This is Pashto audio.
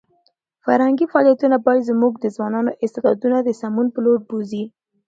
فرهنګي فعالیتونه باید زموږ د ځوانانو استعدادونه د سمون په لور بوځي.